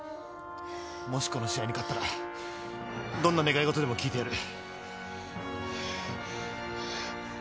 もしこの試合に勝ったらどんな願い事でも聞いてやる。